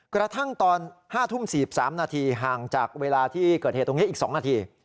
กระทั่งตอน๕ทุ่ม๔๓นาทีห่างจากเวลาที่เกิดเหตุตรงนี้อีก๒นาที